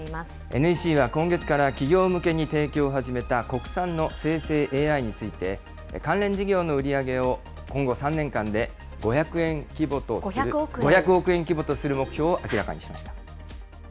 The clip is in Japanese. ＮＥＣは今月から企業向けに提供を始めた国産の生成ＡＩについて、関連事業の売り上げを今後３年間で５００億円規模とする目標を明らかにしました。